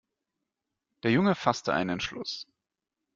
Der Junge fasste einen Entschluss.